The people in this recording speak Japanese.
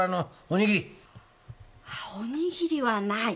おにぎりはない。